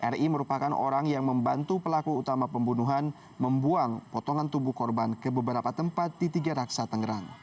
ri merupakan orang yang membantu pelaku utama pembunuhan membuang potongan tubuh korban ke beberapa tempat di tiga raksa tangerang